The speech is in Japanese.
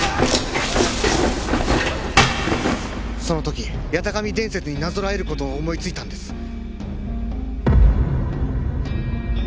その時八咫神伝説になぞらえる事を思いついたんです。